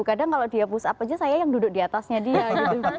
kadang kalau dia push up aja saya yang duduk di atasnya dia gitu